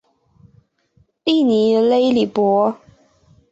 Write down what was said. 利尼勒里博。